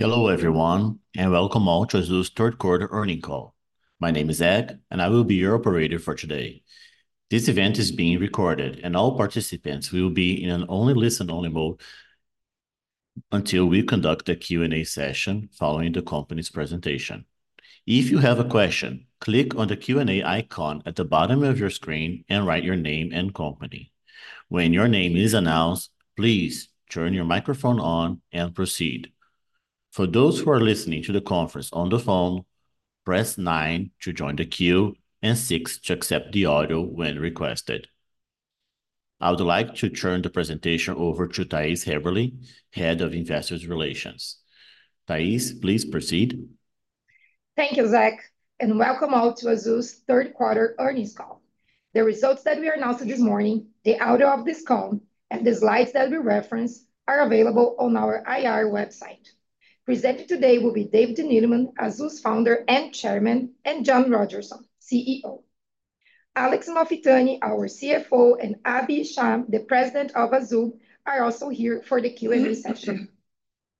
Hello, everyone, and welcome all to Azul's third-quarter earnings call. My name is Ed, and I will be your operator for today. This event is being recorded, and all participants will be in a listen-only mode until we conduct the Q&A session following the company's presentation. If you have a question, click on the Q&A icon at the bottom of your screen and write your name and company. When your name is announced, please turn your microphone on and proceed. For those who are listening to the conference on the phone, press 9 to join the queue and 6 to accept the audio when requested. I would like to turn the presentation over to Thais Haberli, Head of Investor Relations. Thais, please proceed. Thank you, Zack, and welcome all to Azul's third-quarter earnings call. The results that we announced this morning, the audio of this call, and the slides that we referenced are available on our IR website. Presenting today will be David Neeleman, Azul's founder and chairman, and John Rodgerson, CEO. Alex Malfitani, our CFO, and Abhi Shah, the president of Azul, are also here for the Q&A session.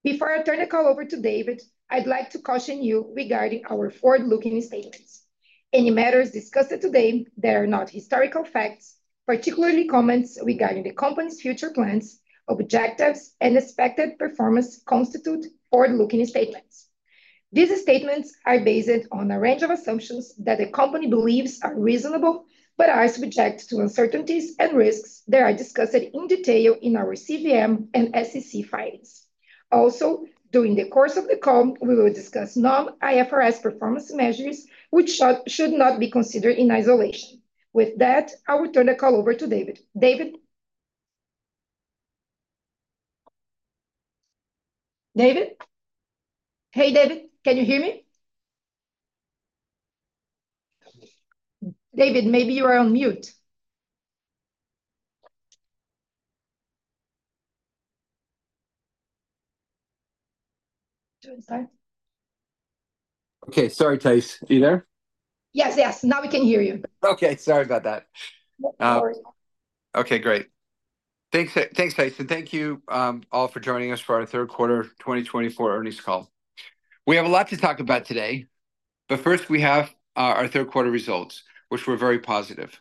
Before I turn the call over to David, I'd like to caution you regarding our forward-looking statements. Any matters discussed today that are not historical facts, particularly comments regarding the company's future plans, objectives, and expected performance, constitute forward-looking statements. These statements are based on a range of assumptions that the company believes are reasonable but are subject to uncertainties and risks that are discussed in detail in our CVM and SEC filings. Also, during the course of the call, we will discuss non-IFRS performance measures, which should not be considered in isolation. With that, I will turn the call over to David. David? David? Hey, David, can you hear me? David, maybe you are on mute. Okay, sorry, Thais. Are you there? Yes, yes. Now we can hear you. Okay, sorry about that. No worries. Okay, great. Thanks, Thais, and thank you all for joining us for our third-quarter 2024 earnings call. We have a lot to talk about today, but first, we have our third-quarter results, which were very positive,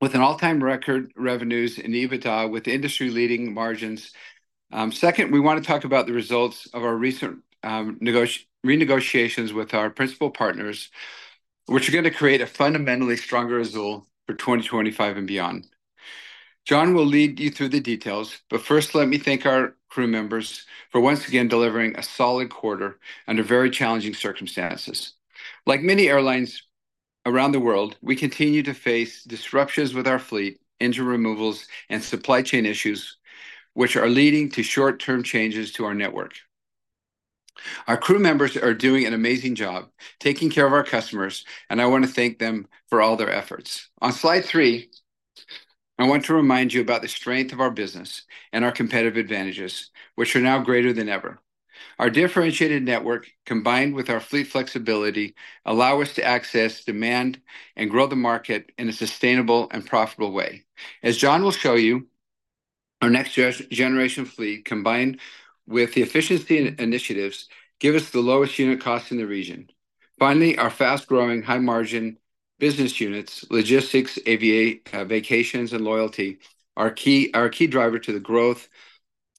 with an all-time record revenues in EBITDA with industry-leading margins. Second, we want to talk about the results of our recent renegotiations with our principal partners, which are going to create a fundamentally stronger Azul for 2025 and beyond. John will lead you through the details, but first, let me thank our crew members for once again delivering a solid quarter under very challenging circumstances. Like many airlines around the world, we continue to face disruptions with our fleet, engine removals, and supply chain issues, which are leading to short-term changes to our network. Our crew members are doing an amazing job taking care of our customers, and I want to thank them for all their efforts. On slide three, I want to remind you about the strength of our business and our competitive advantages, which are now greater than ever. Our differentiated network, combined with our fleet flexibility, allows us to access demand and grow the market in a sustainable and profitable way. As John will show you, our next-generation fleet, combined with the efficiency initiatives, gives us the lowest unit cost in the region. Finally, our fast-growing, high-margin business units, logistics, AVA, vacations, and loyalty are our key driver to the growth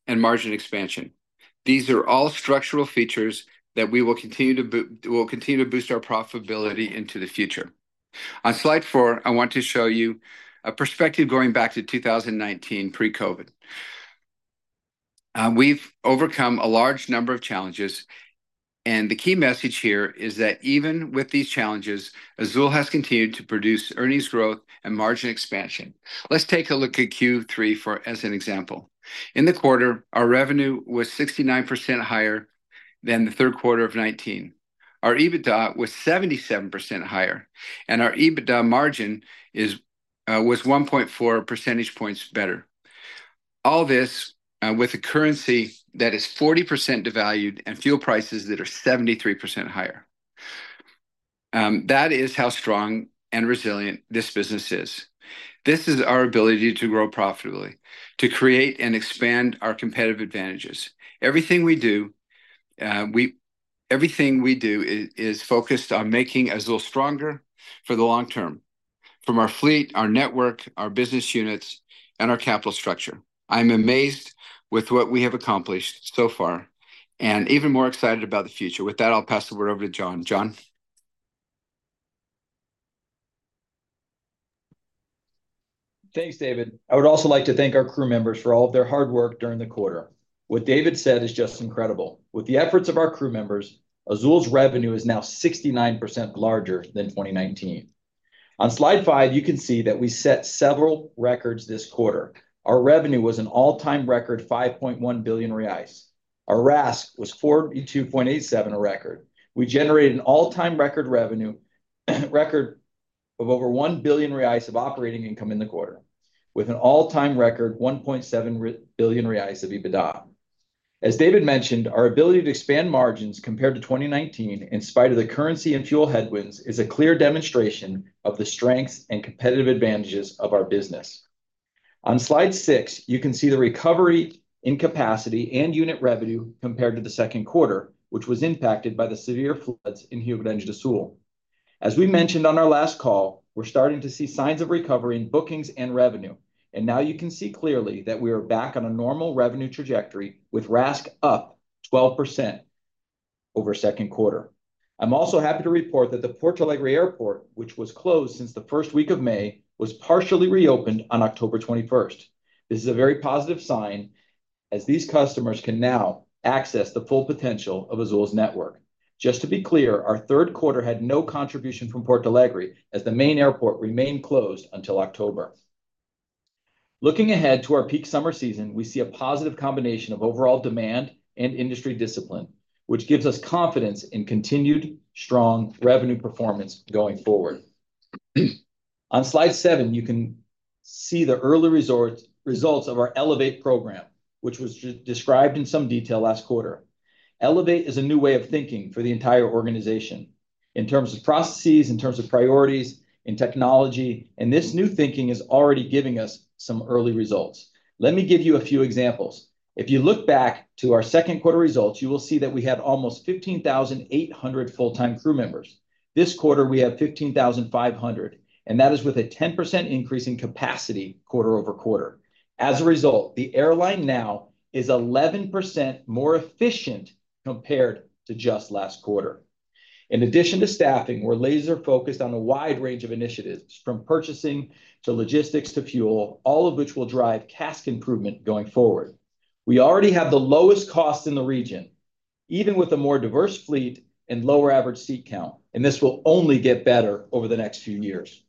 and margin expansion. These are all structural features that we will continue to boost our profitability into the future. On slide four, I want to show you a perspective going back to 2019, pre-COVID. We've overcome a large number of challenges, and the key message here is that even with these challenges, Azul has continued to produce earnings growth and margin expansion. Let's take a look at Q3 as an example. In the quarter, our revenue was 69% higher than the third quarter of 2019. Our EBITDA was 77% higher, and our EBITDA margin was 1.4 percentage points better. All this with a currency that is 40% devalued and fuel prices that are 73% higher. That is how strong and resilient this business is. This is our ability to grow profitably, to create and expand our competitive advantages. Everything we do is focused on making Azul stronger for the long term from our fleet, our network, our business units, and our capital structure. I'm amazed with what we have accomplished so far and even more excited about the future. With that, I'll pass the word over to John. John? Thanks, David. I would also like to thank our crew members for all of their hard work during the quarter. What David said is just incredible. With the efforts of our crew members, Azul's revenue is now 69% larger than 2019. On slide five, you can see that we set several records this quarter. Our revenue was an all-time record 5.1 billion reais. Our RASK was 42.87, a record. We generated an all-time record revenue, a record of over 1 billion reais of operating income in the quarter, with an all-time record 1.7 billion reais of EBITDA. As David mentioned, our ability to expand margins compared to 2019, in spite of the currency and fuel headwinds, is a clear demonstration of the strengths and competitive advantages of our business. On slide six, you can see the recovery in capacity and unit revenue compared to the second quarter, which was impacted by the severe floods in Rio Grande do Sul. As we mentioned on our last call, we're starting to see signs of recovery in bookings and revenue, and now you can see clearly that we are back on a normal revenue trajectory with RASK up 12% over second quarter. I'm also happy to report that the Porto Alegre Airport, which was closed since the first week of May, was partially reopened on October 21st. This is a very positive sign as these customers can now access the full potential of Azul's network. Just to be clear, our third quarter had no contribution from Porto Alegre, as the main airport remained closed until October. Looking ahead to our peak summer season, we see a positive combination of overall demand and industry discipline, which gives us confidence in continued strong revenue performance going forward. On slide seven, you can see the early results of our Elevate program, which was described in some detail last quarter. Elevate is a new way of thinking for the entire organization in terms of processes, in terms of priorities, in technology, and this new thinking is already giving us some early results. Let me give you a few examples. If you look back to our second quarter results, you will see that we had almost 15,800 full-time crew members. This quarter, we have 15,500, and that is with a 10% increase in capacity quarter-over-quarter. As a result, the airline now is 11% more efficient compared to just last quarter. In addition to staffing, we're laser-focused on a wide range of initiatives, from purchasing to logistics to fuel, all of which will drive CASK improvement going forward. We already have the lowest cost in the region, even with a more diverse fleet and lower average seat count, and this will only get better over the next few years.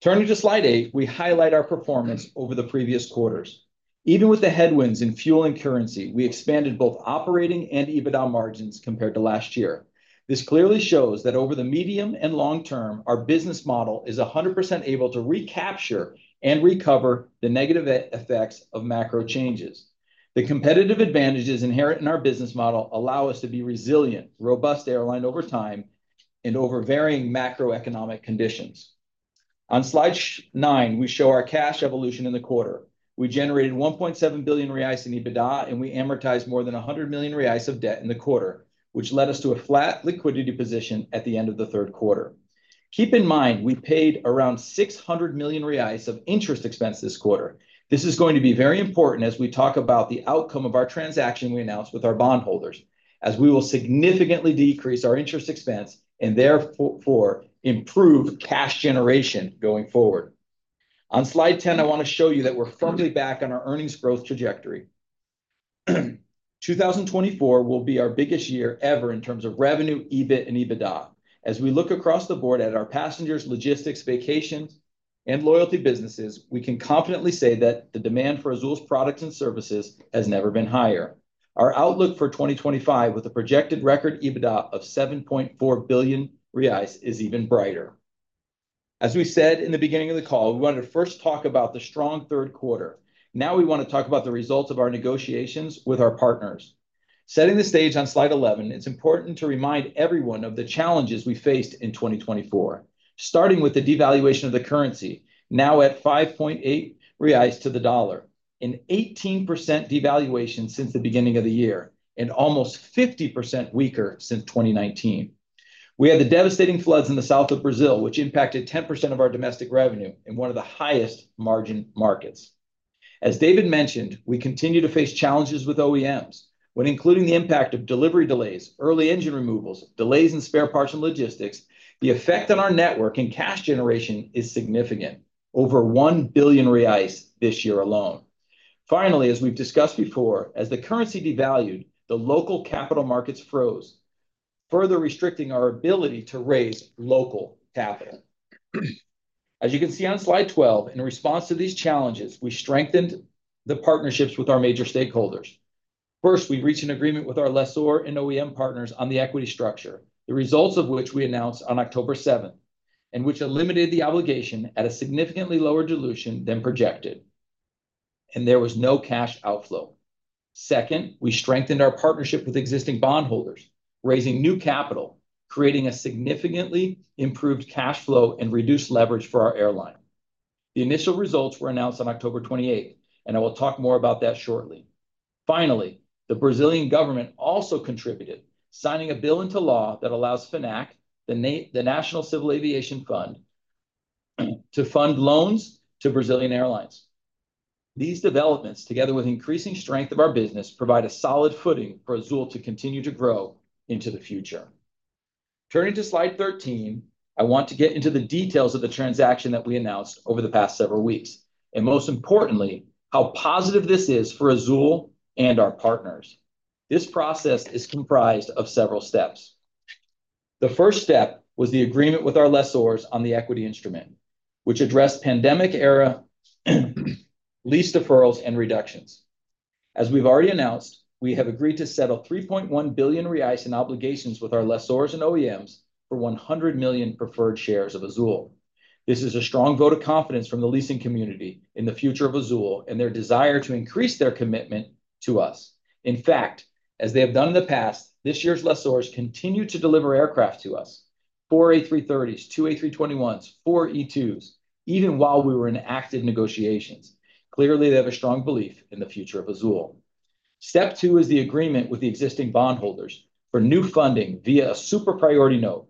Turning to slide eight, we highlight our performance over the previous quarters. Even with the headwinds in fuel and currency, we expanded both operating and EBITDA margins compared to last year. This clearly shows that over the medium and long term, our business model is 100% able to recapture and recover the negative effects of macro changes. The competitive advantages inherent in our business model allow us to be a resilient, robust airline over time and over varying macroeconomic conditions. On slide nine, we show our cash evolution in the quarter. We generated 1.7 billion reais in EBITDA, and we amortized more than 100 million reais of debt in the quarter, which led us to a flat liquidity position at the end of the third quarter. Keep in mind, we paid around 600 million reais of interest expense this quarter. This is going to be very important as we talk about the outcome of our transaction we announced with our bondholders, as we will significantly decrease our interest expense and therefore improve cash generation going forward. On slide 10, I want to show you that we're firmly back on our earnings growth trajectory. 2024 will be our biggest year ever in terms of revenue, EBIT, and EBITDA. As we look across the board at our passengers, logistics, vacations, and loyalty businesses, we can confidently say that the demand for Azul's products and services has never been higher. Our outlook for 2025, with a projected record EBITDA of 7.4 billion reais, is even brighter. As we said in the beginning of the call, we wanted to first talk about the strong third quarter. Now we want to talk about the results of our negotiations with our partners. Setting the stage on slide 11, it's important to remind everyone of the challenges we faced in 2024, starting with the devaluation of the currency, now at 5.8 reais to the $, an 18% devaluation since the beginning of the year, and almost 50% weaker since 2019. We had the devastating floods in the south of Brazil, which impacted 10% of our domestic revenue in one of the highest margin markets. As David mentioned, we continue to face challenges with OEMs. When including the impact of delivery delays, early engine removals, delays in spare parts and logistics, the effect on our network and cash generation is significant, over 1 billion reais this year alone. Finally, as we've discussed before, as the currency devalued, the local capital markets froze, further restricting our ability to raise local capital. As you can see on slide 12, in response to these challenges, we strengthened the partnerships with our major stakeholders. First, we reached an agreement with our lessor and OEM partners on the equity structure, the results of which we announced on October 7th, and which eliminated the obligation at a significantly lower dilution than projected, and there was no cash outflow. Second, we strengthened our partnership with existing bondholders, raising new capital, creating a significantly improved cash flow and reduced leverage for our airline. The initial results were announced on October 28th, and I will talk more about that shortly. Finally, the Brazilian government also contributed, signing a bill into law that allows FNAC, the National Civil Aviation Fund, to fund loans to Brazilian airlines. These developments, together with increasing strength of our business, provide a solid footing for Azul to continue to grow into the future. Turning to slide 13, I want to get into the details of the transaction that we announced over the past several weeks, and most importantly, how positive this is for Azul and our partners. This process is comprised of several steps. The first step was the agreement with our lessors on the equity instrument, which addressed pandemic-era lease deferrals and reductions. As we've already announced, we have agreed to settle 3.1 billion reais in obligations with our lessors and OEMs for 100 million preferred shares of Azul. This is a strong vote of confidence from the leasing community in the future of Azul and their desire to increase their commitment to us. In fact, as they have done in the past, this year's lessors continued to deliver aircraft to us, four A330s, two A321s, four E2s, even while we were in active negotiations. Clearly, they have a strong belief in the future of Azul. Step two is the agreement with the existing bondholders for new funding via a Super Priority Note.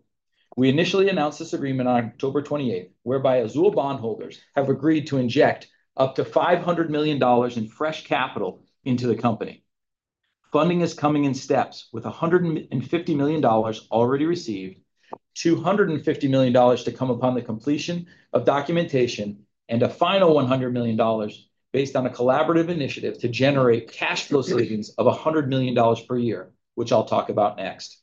We initially announced this agreement on October 28th, whereby Azul bondholders have agreed to inject up to $500 million in fresh capital into the company. Funding is coming in steps, with $150 million already received, $250 million to come upon the completion of documentation, and a final $100 million based on a collaborative initiative to generate cash flow savings of $100 million per year, which I'll talk about next.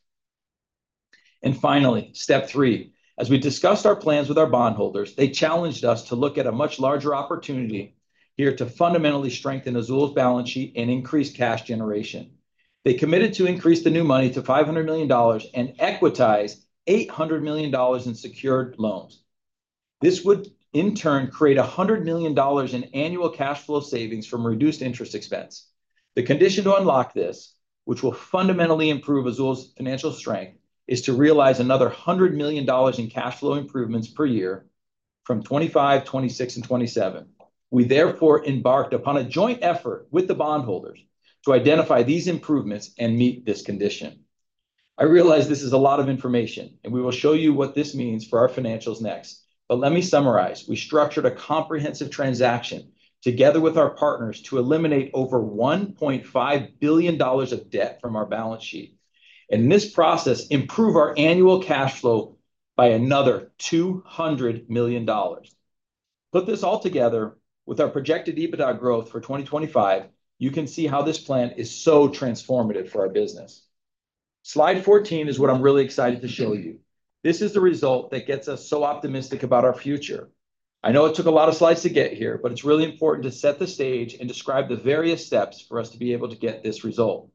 And finally, step three. As we discussed our plans with our bondholders, they challenged us to look at a much larger opportunity here to fundamentally strengthen Azul's balance sheet and increase cash generation. They committed to increase the new money to $500 million and equitize $800 million in secured loans. This would, in turn, create $100 million in annual cash flow savings from reduced interest expense. The condition to unlock this, which will fundamentally improve Azul's financial strength, is to realize another $100 million in cash flow improvements per year from 2025, 2026, and 2027. We therefore embarked upon a joint effort with the bondholders to identify these improvements and meet this condition. I realize this is a lot of information, and we will show you what this means for our financials next, but let me summarize. We structured a comprehensive transaction together with our partners to eliminate over $1.5 billion of debt from our balance sheet and, in this process, improve our annual cash flow by another $200 million. Put this all together with our projected EBITDA growth for 2025, you can see how this plan is so transformative for our business. Slide 14 is what I'm really excited to show you. This is the result that gets us so optimistic about our future. I know it took a lot of slides to get here, but it's really important to set the stage and describe the various steps for us to be able to get this result.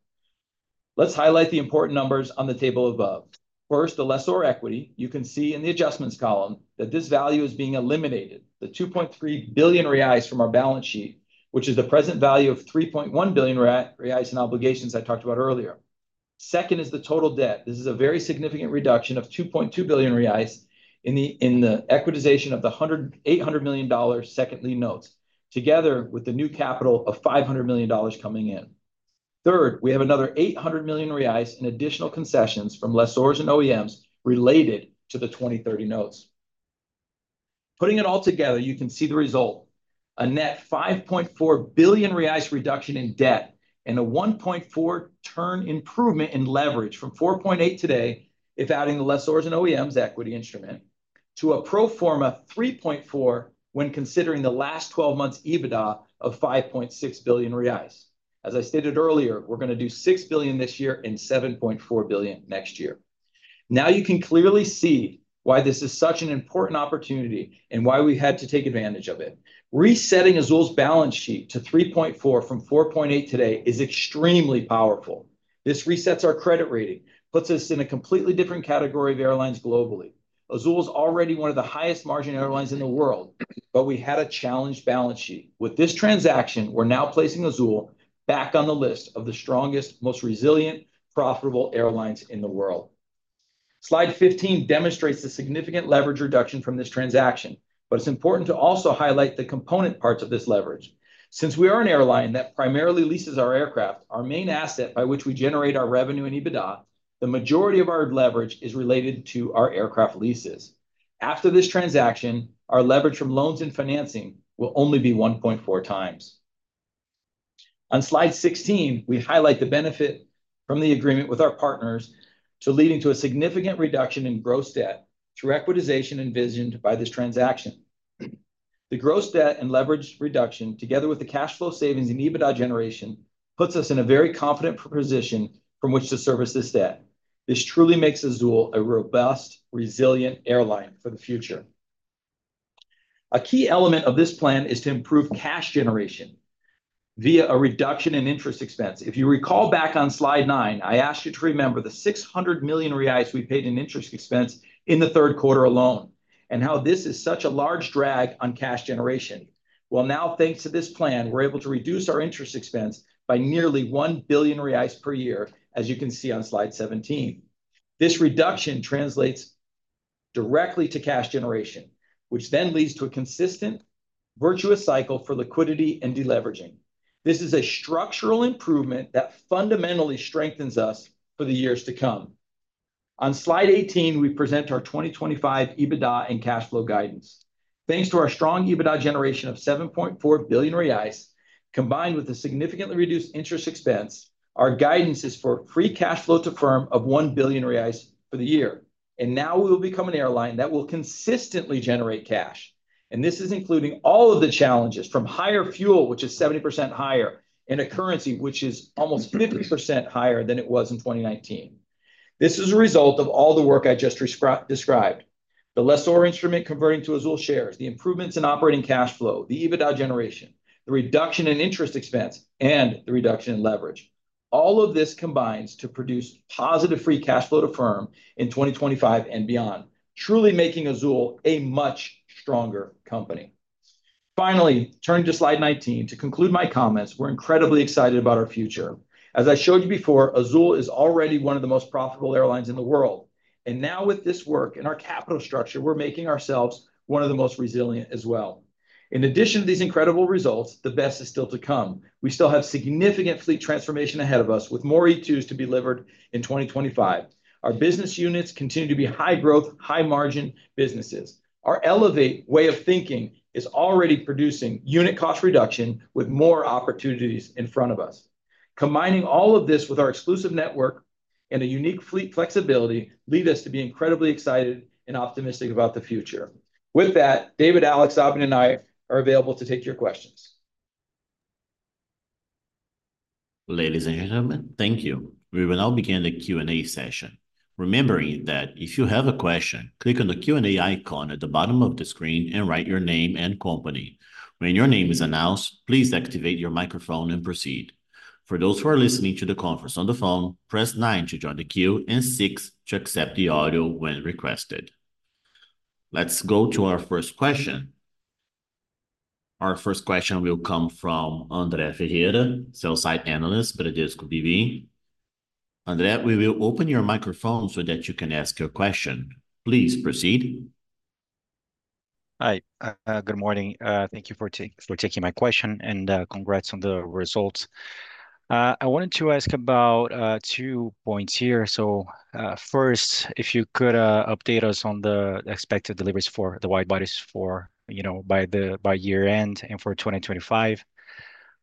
Let's highlight the important numbers on the table above. First, the lessor equity. You can see in the adjustments column that this value is being eliminated, the 2.3 billion reais from our balance sheet, which is the present value of 3.1 billion reais in obligations I talked about earlier. Second is the total debt. This is a very significant reduction of 2.2 billion reais in the equitization of the $800 million second lien notes, together with the new capital of $500 million coming in. Third, we have another 800 million reais in additional concessions from lessors and OEMs related to the 2030 notes. Putting it all together, you can see the result: a net 5.4 billion reais reduction in debt and a 1.4 turn improvement in leverage from 4.8 today, if adding the Lessors and OEMs equity instrument, to a pro forma 3.4 when considering the last 12 months' EBITDA of 5.6 billion reais. As I stated earlier, we're going to do 6 billion this year and 7.4 billion next year. Now you can clearly see why this is such an important opportunity and why we had to take advantage of it. Resetting Azul's balance sheet to 3.4 from 4.8 today is extremely powerful. This resets our credit rating, puts us in a completely different category of airlines globally. Azul is already one of the highest margin airlines in the world, but we had a challenged balance sheet. With this transaction, we're now placing Azul back on the list of the strongest, most resilient, profitable airlines in the world. Slide 15 demonstrates the significant leverage reduction from this transaction, but it's important to also highlight the component parts of this leverage. Since we are an airline that primarily leases our aircraft, our main asset by which we generate our revenue and EBITDA, the majority of our leverage is related to our aircraft leases. After this transaction, our leverage from loans and financing will only be 1.4 times. On Slide 16, we highlight the benefit from the agreement with our partners leading to a significant reduction in gross debt through equitization envisioned by this transaction. The gross debt and leverage reduction, together with the cash flow savings and EBITDA generation, puts us in a very confident position from which to service this debt. This truly makes Azul a robust, resilient airline for the future. A key element of this plan is to improve cash generation via a reduction in interest expense. If you recall back on slide nine, I asked you to remember the 600 million reais we paid in interest expense in the third quarter alone and how this is such a large drag on cash generation. Well, now, thanks to this plan, we're able to reduce our interest expense by nearly 1 billion reais per year, as you can see on slide 17. This reduction translates directly to cash generation, which then leads to a consistent, virtuous cycle for liquidity and deleveraging. This is a structural improvement that fundamentally strengthens us for the years to come. On slide 18, we present our 2025 EBITDA and cash flow guidance. Thanks to our strong EBITDA generation of 7.4 billion reais, combined with the significantly reduced interest expense, our guidance is for Free Cash Flow to Firm of 1 billion reais for the year, and now we will become an airline that will consistently generate cash, and this is including all of the challenges from higher fuel, which is 70% higher, and a currency which is almost 50% higher than it was in 2019. This is a result of all the work I just described. The lessor instrument converting to Azul shares, the improvements in operating cash flow, the EBITDA generation, the reduction in interest expense, and the reduction in leverage. All of this combines to produce positive Free Cash Flow to Firm in 2025 and beyond, truly making Azul a much stronger company. Finally, turning to slide 19 to conclude my comments, we're incredibly excited about our future. As I showed you before, Azul is already one of the most profitable airlines in the world. And now, with this work and our capital structure, we're making ourselves one of the most resilient as well. In addition to these incredible results, the best is still to come. We still have significant fleet transformation ahead of us with more E2s to be delivered in 2025. Our business units continue to be high growth, high margin businesses. Our Elevate way of thinking is already producing unit cost reduction with more opportunities in front of us. Combining all of this with our exclusive network and a unique fleet flexibility leads us to be incredibly excited and optimistic about the future. With that, David, Alex, Abhi, and I are available to take your questions. Ladies and gentlemen, thank you. We will now begin the Q&A session. Remembering that if you have a question, click on the Q&A icon at the bottom of the screen and write your name and company. When your name is announced, please activate your microphone and proceed. For those who are listening to the conference on the phone, press 9 to join the queue and 6 to accept the audio when requested. Let's go to our first question. Our first question will come from André Ferreira, sell-side analyst, Bradesco BBI. André, we will open your microphone so that you can ask your question. Please proceed. Hi. Good morning. Thank you for taking my question and congrats on the results. I wanted to ask about two points here. So first, if you could update us on the expected deliveries for the widebodies by the year end and for 2025,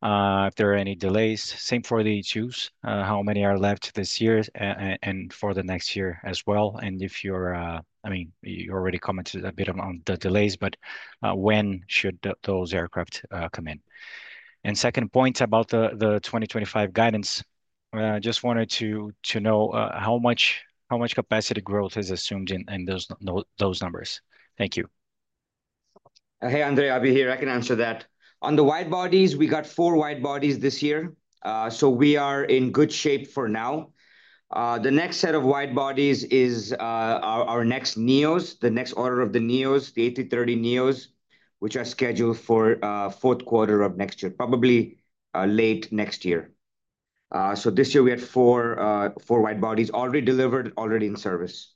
if there are any delays. Same for the E2s, how many are left this year and for the next year as well? And if you're, I mean, you already commented a bit on the delays, but when should those aircraft come in? And second point about the 2025 guidance, I just wanted to know how much capacity growth is assumed in those numbers? Thank you. Hey, André, Abhi here. I can answer that. On the wide bodies, we got four wide bodies this year. So we are in good shape for now. The next set of wide bodies is our next NEOs, the next order of the NEOs, the A330neo, which are scheduled for the fourth quarter of next year, probably late next year. So this year, we had four wide bodies already delivered, already in service.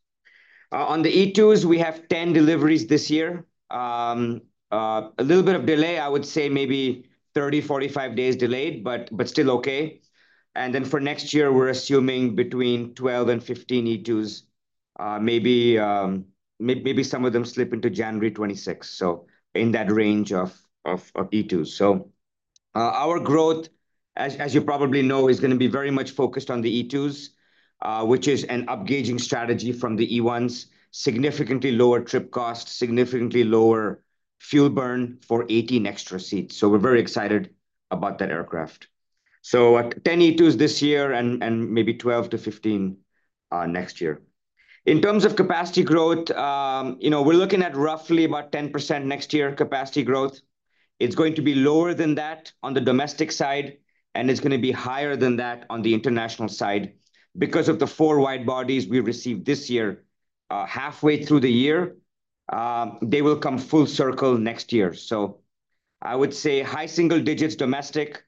On the E2s, we have 10 deliveries this year. A little bit of delay, I would say maybe 30, 45 days delayed, but still okay. And then for next year, we're assuming between 12 and 15 E2s, maybe some of them slip into January 2026, so in that range of E2s. So our growth, as you probably know, is going to be very much focused on the E2s, which is an upgauging strategy from the E1s, significantly lower trip cost, significantly lower fuel burn for 18 extra seats. So we're very excited about that aircraft. So 10 E2s this year and maybe 12 to 15 next year. In terms of capacity growth, we're looking at roughly about 10% next year capacity growth. It's going to be lower than that on the domestic side, and it's going to be higher than that on the international side because of the four widebodies we received this year. Halfway through the year, they will come full circle next year. So I would say high single digits domestic,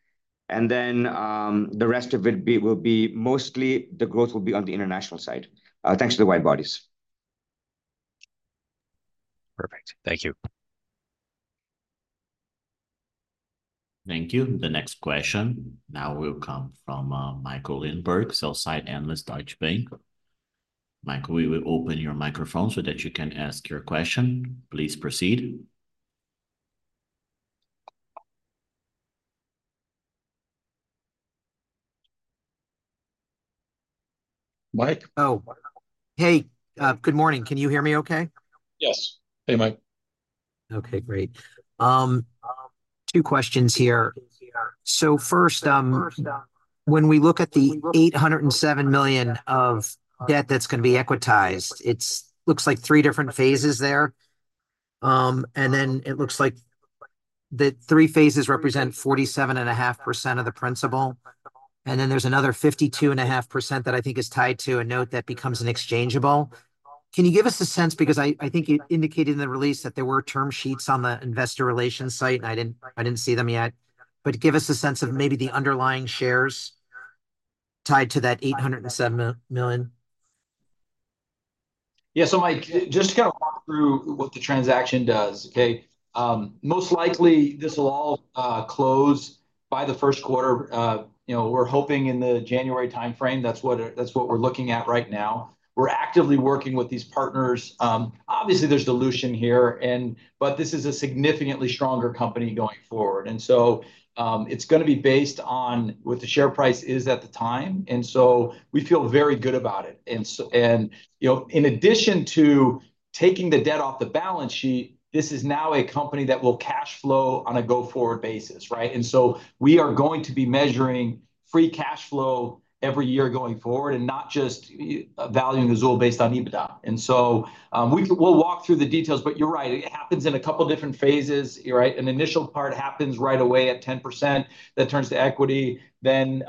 and then the rest of it will be mostly the growth will be on the international side. Thanks to the widebodies. Perfect. Thank you. Thank you. The next question now will come from Michael Linenberg, sell-side analyst, Deutsche Bank. Michael, we will open your microphone so that you can ask your question. Please proceed. Mike? Oh. Hey, good morning. Can you hear me okay? Yes. Hey, Mike. Okay. Great. Two questions here. So first, when we look at the $807 million of debt that's going to be equitized, it looks like three different phases there. And then it looks like the three phases represent 47.5% of the principal. And then there's another 52.5% that I think is tied to a note that becomes an exchangeable. Can you give us a sense because I think you indicated in the release that there were term sheets on the investor relations site, and I didn't see them yet, but give us a sense of maybe the underlying shares tied to that $807 million? Yeah. So Mike, just to kind of walk through what the transaction does, okay? Most likely, this will all close by the first quarter. We're hoping in the January timeframe. That's what we're looking at right now. We're actively working with these partners. Obviously, there's dilution here, but this is a significantly stronger company going forward. And so it's going to be based on what the share price is at the time. And so we feel very good about it. And in addition to taking the debt off the balance sheet, this is now a company that will cash flow on a go-forward basis, right? And so we are going to be measuring free cash flow every year going forward and not just valuing Azul based on EBITDA. And so we'll walk through the details, but you're right. It happens in a couple of different phases, right? An initial part happens right away at 10% that turns to equity, then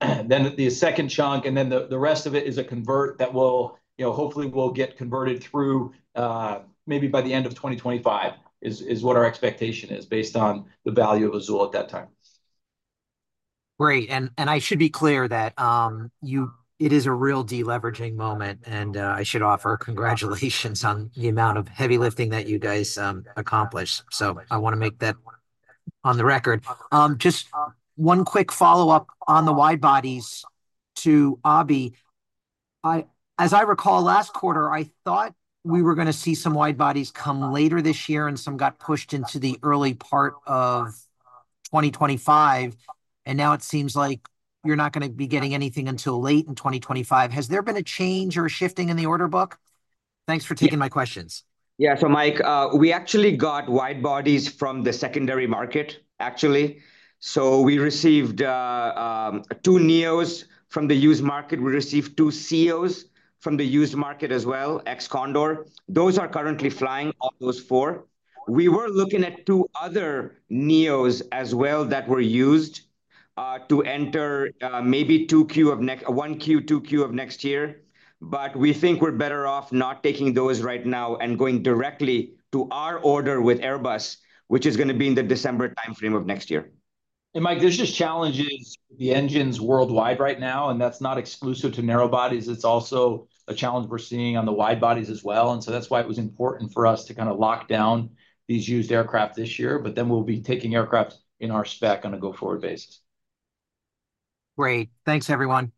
the second chunk, and then the rest of it is a convert that will hopefully get converted through maybe by the end of 2025 is what our expectation is based on the value of Azul at that time. Great. And I should be clear that it is a real deleveraging moment. And I should offer congratulations on the amount of heavy lifting that you guys accomplished. So I want to make that on the record. Just one quick follow-up on the widebodies to Abhi. As I recall, last quarter, I thought we were going to see some widebodies come later this year, and some got pushed into the early part of 2025, and now it seems like you're not going to be getting anything until late in 2025. Has there been a change or a shifting in the order book? Thanks for taking my questions. Yeah, so Mike, we actually got widebodies from the secondary market, actually, so we received two NEOs from the used market. We received two CEOs from the used market as well, ex-Condor. Those are currently flying, all those four. We were looking at two other NEOs as well that were used to enter maybe one Q, two Q of next year. But we think we're better off not taking those right now and going directly to our order with Airbus, which is going to be in the December timeframe of next year. And Mike, there's just challenges with the engines worldwide right now. And that's not exclusive to narrowbodies. It's also a challenge we're seeing on the widebodies as well. And so that's why it was important for us to kind of lock down these used aircraft this year. But then we'll be taking aircraft in our spec on a go-forward basis. Great. Thanks, everyone.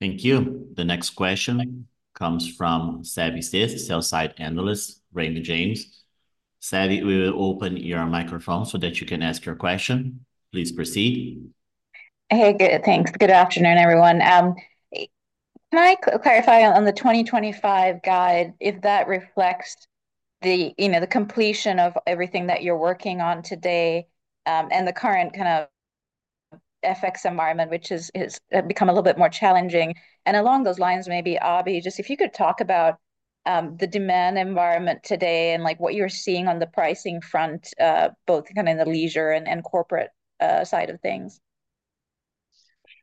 Thank you. The next question comes from Savi Syth, sell-side analyst, Raymond James. Savi we will open your microphone so that you can ask your question. Please proceed. Hey, good. Thanks. Good afternoon, everyone. Can I clarify on the 2025 guide, if that reflects the completion of everything that you're working on today and the current kind of FX environment, which has become a little bit more challenging? And along those lines, maybe, Abhi, just if you could talk about the demand environment today and what you're seeing on the pricing front, both kind of in the leisure and corporate side of things.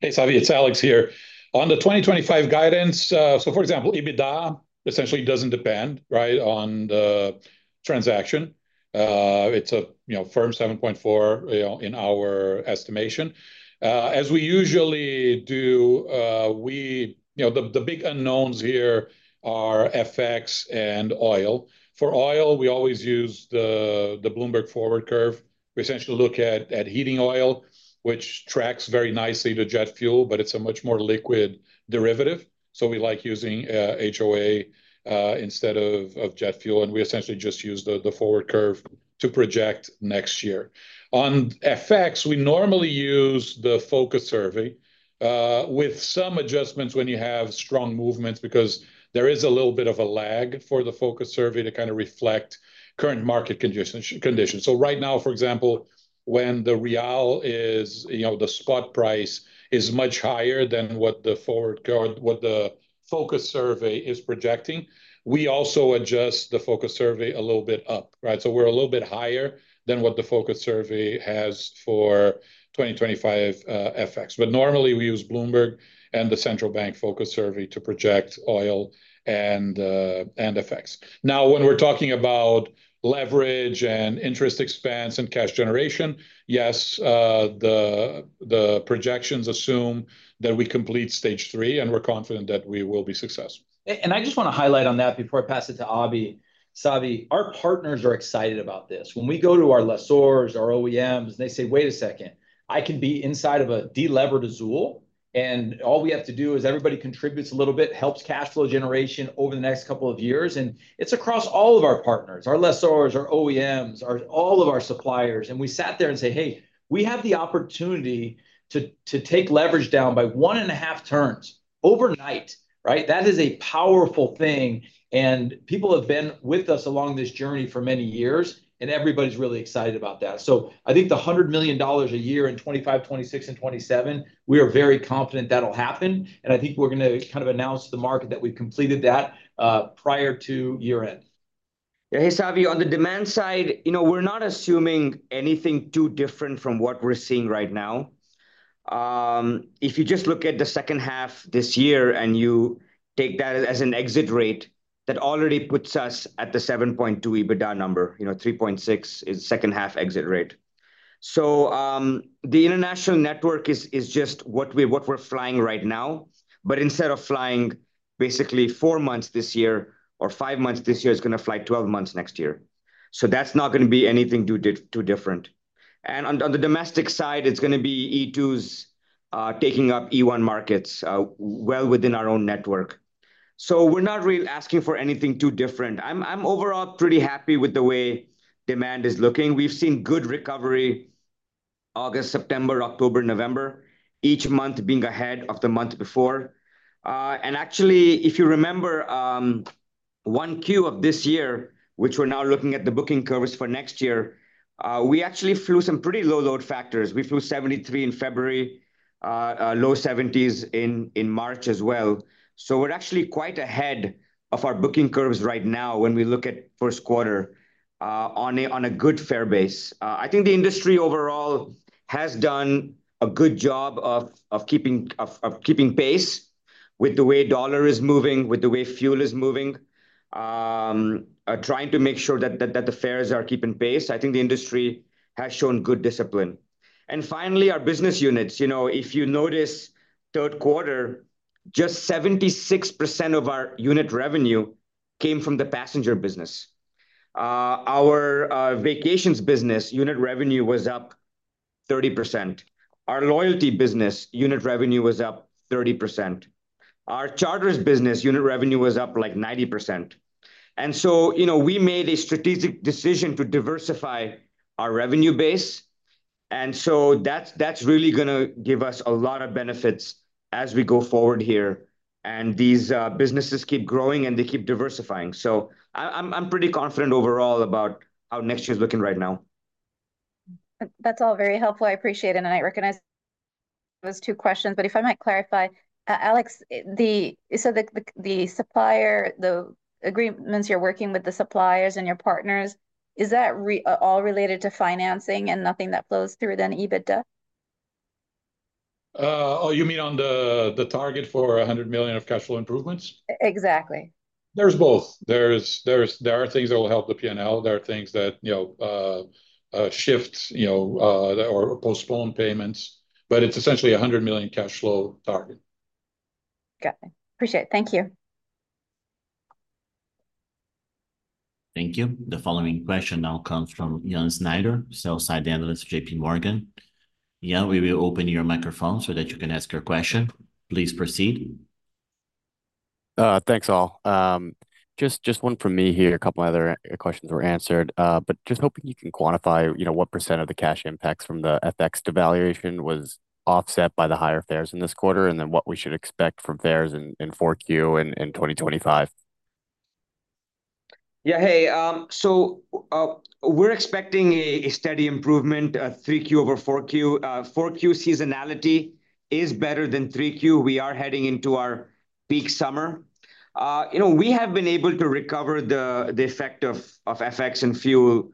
Hey, Savi, it's Alex here. On the 2025 guidance, so for example, EBITDA essentially doesn't depend, right, on the transaction. It's a firm 7.4 in our estimation. As we usually do, the big unknowns here are FX and oil. For oil, we always use the Bloomberg Forward Curve. We essentially look at heating oil, which tracks very nicely to jet fuel, but it's a much more liquid derivative. So we like using HOA instead of jet fuel. We essentially just use the forward curve to project next year. On FX, we normally use the Focus Survey with some adjustments when you have strong movements because there is a little bit of a lag for the Focus Survey to kind of reflect current market conditions. So right now, for example, when the real is the spot price is much higher than what the Focus Survey is projecting, we also adjust the Focus Survey a little bit up, right? So we're a little bit higher than what the Focus Survey has for 2025 FX. But normally, we use Bloomberg and the Central Bank Focus Survey to project oil and FX. Now, when we're talking about leverage and interest expense and cash generation, yes, the projections assume that we complete stage three, and we're confident that we will be successful. I just want to highlight on that before I pass it to Abhi. Savi, our partners are excited about this. When we go to our lessors, our OEMs, and they say, "Wait a second, I can be inside of a delevered Azul, and all we have to do is everybody contributes a little bit, helps cash flow generation over the next couple of years." And it's across all of our partners, our lessors, our OEMs, all of our suppliers. And we sat there and said, "Hey, we have the opportunity to take leverage down by one and a half turns overnight," right? That is a powerful thing. And people have been with us along this journey for many years, and everybody's really excited about that. So I think the $100 million a year in 2025, 2026, and 2027, we are very confident that'll happen. And I think we're going to kind of announce to the market that we've completed that prior to year-end. Yeah. Hey, Savi, on the demand side, we're not assuming anything too different from what we're seeing right now. If you just look at the second half this year and you take that as an exit rate, that already puts us at the 7.2 EBITDA number. 3.6 is second half exit rate. So the international network is just what we're flying right now. But instead of flying basically four months this year or five months this year, it's going to fly 12 months next year. So that's not going to be anything too different. And on the domestic side, it's going to be E2s taking up E1 markets well within our own network. So we're not really asking for anything too different. I'm overall pretty happy with the way demand is looking. We've seen good recovery August, September, October, November, each month being ahead of the month before. And actually, if you remember 1Q of this year, which we're now looking at the booking curves for next year, we actually flew some pretty low load factors. We flew 73 in February, low 70s in March as well. So we're actually quite ahead of our booking curves right now when we look at first quarter on a good fare base. I think the industry overall has done a good job of keeping pace with the way the dollar is moving, with the way fuel is moving, trying to make sure that the fares are keeping pace. I think the industry has shown good discipline. And finally, our business units. If you notice, third quarter, just 76% of our unit revenue came from the passenger business. Our vacations business unit revenue was up 30%. Our loyalty business unit revenue was up 30%. Our charter business unit revenue was up like 90%. And so we made a strategic decision to diversify our revenue base. And so that's really going to give us a lot of benefits as we go forward here. And these businesses keep growing, and they keep diversifying. So I'm pretty confident overall about how next year's looking right now. That's all very helpful. I appreciate it. And I recognize those two questions. But if I might clarify, Alex, so the supplier, the agreements you're working with the suppliers and your partners, is that all related to financing and nothing that flows through the EBITDA? Oh, you mean on the target for $100 million of cash flow improvements? Exactly. There's both. There are things that will help the P&L. There are things that shift or postpone payments. But it's essentially a $100 million cash flow target. Got it. Appreciate it. Thank you. Thank you. The following question now comes from Ian Snyder, sell-side analyst, JPMorgan. Ian, we will open your microphone so that you can ask your question. Please proceed. Thanks, all. Just one from me here. A couple of other questions were answered. But just hoping you can quantify what % of the cash impacts from the FX devaluation was offset by the higher fares in this quarter and then what we should expect from fares in 4Q in 2025. Yeah. Hey, so we're expecting a steady improvement, three Q over 4Q. Four Q seasonality is better than 3Q. We are heading into our peak summer. We have been able to recover the effect of FX and fuel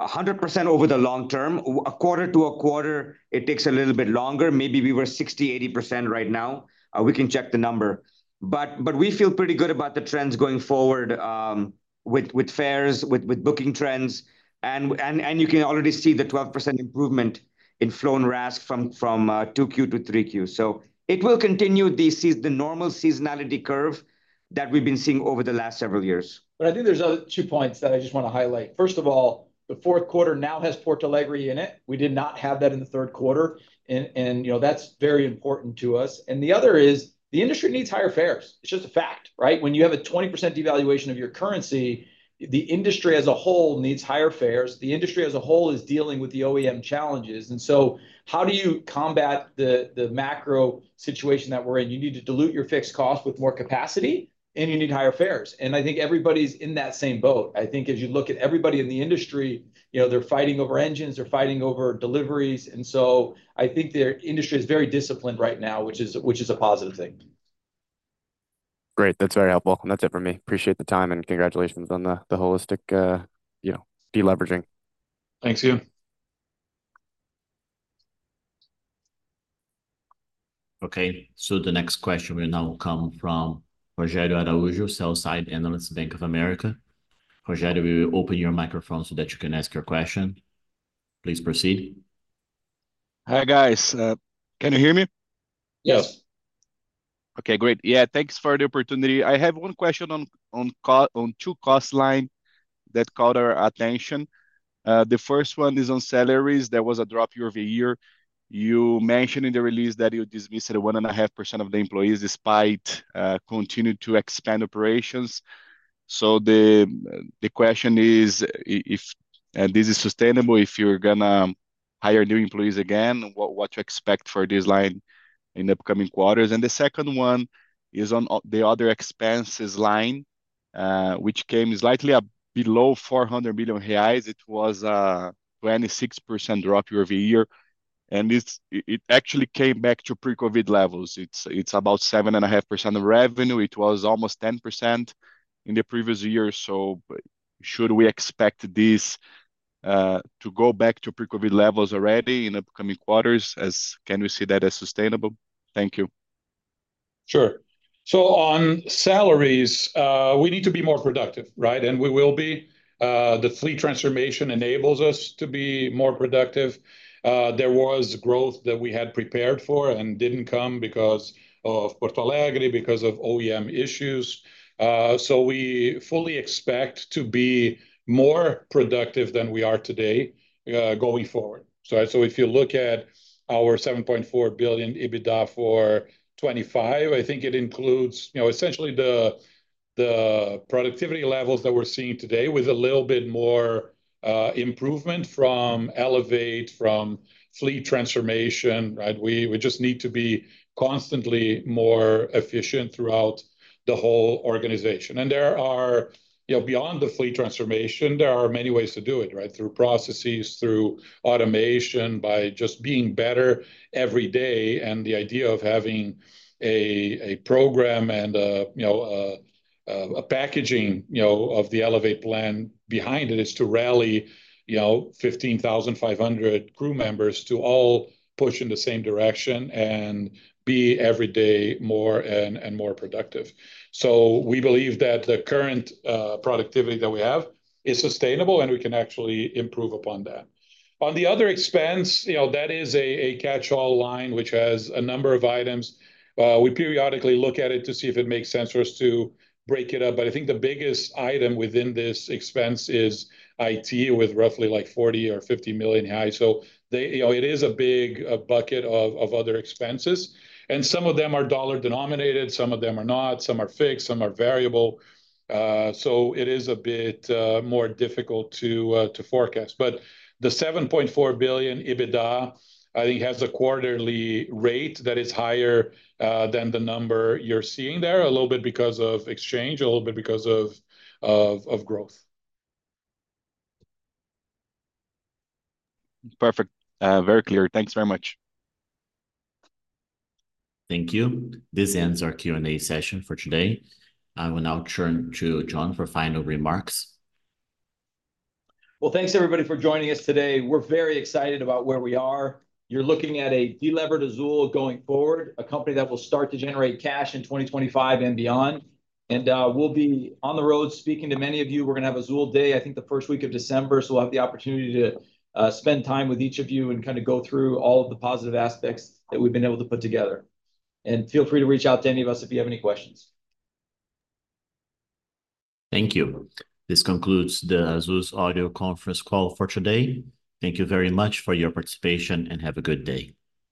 100% over the long term. A quarter to a quarter, it takes a little bit longer. Maybe we were 60%-80% right now. We can check the number, but we feel pretty good about the trends going forward with fares, with booking trends, and you can already see the 12% improvement in flown RASK from 2Q to 3Q, so it will continue the normal seasonality curve that we've been seeing over the last several years, but I think there's other two points that I just want to highlight. First of all, the fourth quarter now has Porto Alegre in it. We did not have that in the third quarter, and that's very important to us, and the other is the industry needs higher fares. It's just a fact, right? When you have a 20% devaluation of your currency, the industry as a whole needs higher fares. The industry as a whole is dealing with the OEM challenges. And so how do you combat the macro situation that we're in? You need to dilute your fixed cost with more capacity, and you need higher fares. And I think everybody's in that same boat. I think as you look at everybody in the industry, they're fighting over engines. They're fighting over deliveries. And so I think the industry is very disciplined right now, which is a positive thing. Great. That's very helpful. That's it for me. Appreciate the time and congratulations on the holistic deleveraging. Thanks, Ian. Okay. So the next question will now come from Rogério Araújo, sell-side analyst, Bank of America. Rogério, we will open your microphone so that you can ask your question. Please proceed. Hi, guys. Can you hear me? Yes. Okay. Great. Yeah. Thanks for the opportunity. I have one question on two cost lines that caught our attention. The first one is on salaries. There was a drop year-over-year. You mentioned in the release that you dismissed 1.5% of the employees despite continuing to expand operations. So the question is, if this is sustainable, if you're going to hire new employees again, what to expect for this line in the upcoming quarters? And the second one is on the other expenses line, which came slightly below 400 million reais. It was a 26% drop year-over-year. And it actually came back to pre-COVID levels. It's about 7.5% of revenue. It was almost 10% in the previous year. So should we expect this to go back to pre-COVID levels already in upcoming quarters? Can we see that as sustainable? Thank you. Sure. So on salaries, we need to be more productive, right? And we will be. The fleet transformation enables us to be more productive. There was growth that we had prepared for and didn't come because of Porto Alegre, because of OEM issues. So we fully expect to be more productive than we are today going forward. So if you look at our 7.4 billion EBITDA for 2025, I think it includes essentially the productivity levels that we're seeing today with a little bit more improvement from Elevate, from fleet transformation, right? We just need to be constantly more efficient throughout the whole organization. And beyond the fleet transformation, there are many ways to do it, right? Through processes, through automation, by just being better every day. The idea of having a program and a packaging of the Elevate plan behind it is to rally 15,500 crew members to all push in the same direction and be every day more and more productive. We believe that the current productivity that we have is sustainable, and we can actually improve upon that. On the other expense, that is a catch-all line which has a number of items. We periodically look at it to see if it makes sense for us to break it up. I think the biggest item within this expense is IT with roughly like $40-$50 million a year. It is a big bucket of other expenses. Some of them are dollar denominated. Some of them are not. Some are fixed. Some are variable. It is a bit more difficult to forecast. But the 7.4 billion EBITDA, I think, has a quarterly rate that is higher than the number you're seeing there, a little bit because of exchange, a little bit because of growth. Perfect. Very clear. Thanks very much. Thank you. This ends our Q&A session for today. I will now turn to John for final remarks. Well, thanks, everybody, for joining us today. We're very excited about where we are. You're looking at a delevered Azul going forward, a company that will start to generate cash in 2025 and beyond. And we'll be on the road speaking to many of you. We're going to have Azul Day, I think, the first week of December. So we'll have the opportunity to spend time with each of you and kind of go through all of the positive aspects that we've been able to put together. Feel free to reach out to any of us if you have any questions. Thank you. This concludes the Azul's audio conference call for today. Thank you very much for your participation and have a good day.